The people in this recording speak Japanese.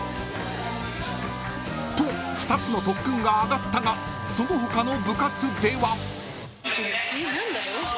［と２つの特訓が挙がったがその他の部活では］